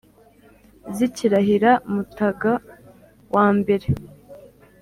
zikirahira mutaga wa mbere